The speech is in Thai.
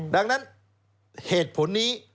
ดังนั้นเหตุผลนี้